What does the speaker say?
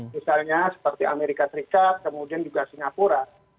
misalnya seperti amerika serikat kemudian juga singapura